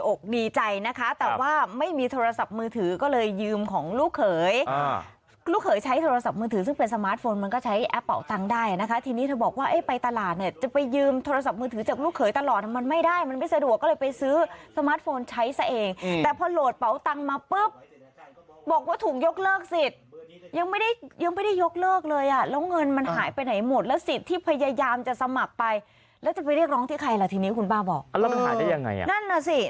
ออกดีใจนะคะแต่ว่าไม่มีโทรศัพท์มือถือก็เลยยืมของลูกเขยลูกเขยใช้โทรศัพท์มือถือซึ่งเป็นสมาร์ทโฟนมันก็ใช้แอปเปาตังได้นะคะทีนี้เธอบอกว่าไปตลาดเนี่ยจะไปยืมโทรศัพท์มือถือจากลูกเขยตลอดมันไม่ได้มันไม่สะดวกก็เลยไปซื้อสมาร์ทโฟนใช้ซะเองแต่พอโหลดเปาตังมาปุ๊บบอกว่าถุงยกเลิกสิ